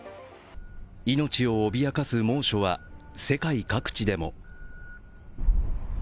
命を脅かす猛暑は世界各地でも。